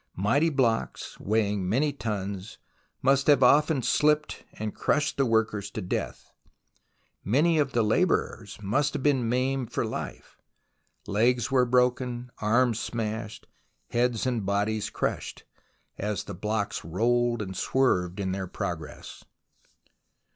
Mighty blocks weighing many tons must have often slipped and crushed the workers to death. Many of the labourers must have been maimed for life ; legs were broken, arms smashed, heads and bodies crushed, as the blocks rolled and swerved in their progress.